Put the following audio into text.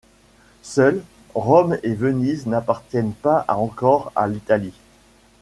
Seules, Rome et Venise n'appartiennent pas encore à l'Italie.